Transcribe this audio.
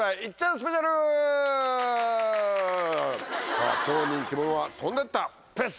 さぁ超人気者は飛んでったペシっ！